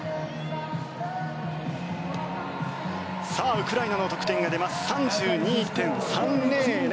ウクライナの得点が出ます。３２．３００。